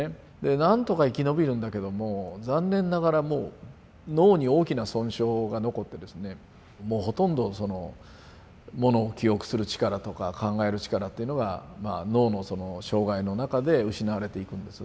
何とか生き延びるんだけども残念ながらもう脳に大きな損傷が残ってですねもうほとんどものを記憶する力とか考える力っていうのが脳のその障害の中で失われていくんです。